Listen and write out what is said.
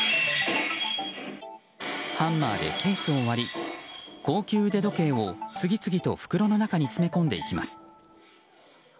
ハンマーでケースを割り高級腕時計を次々と袋の中に詰め込んでいきます。